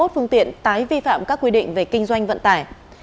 hai nghìn hai mươi một phương tiện tái vi phạm các quy định về kinh doanh vận tải